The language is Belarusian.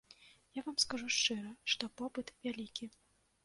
Я вам скажу шчыра, што попыт вялікі.